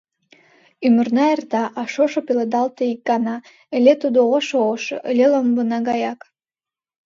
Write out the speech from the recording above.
Ӱмырна эрта, а шошо Пеледалте ик гана, Ыле тудо ошо-ошо, Ыле ломбына гаяк.